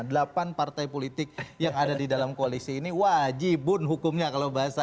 delapan partai politik yang ada di dalam koalisi ini wajibun hukumnya kalau bahasa gus coy